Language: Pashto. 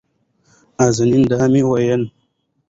نازنين: دا مې وېل